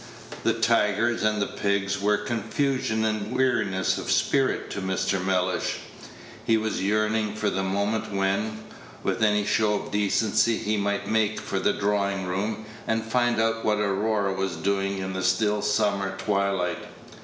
The tigers and the pigs were confusion and weariness of spirit to Mr. Mellish. He was yearning for the moment when, with any show of decency, he might make for the drawing room, and find out what Aurora was doing in the still summer twilight.